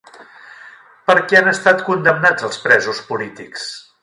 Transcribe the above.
Per què han estat condemnats els presos polítics?